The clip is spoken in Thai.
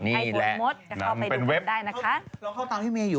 นำเป็นเว็บจะเข้าไปดูได้นะคะ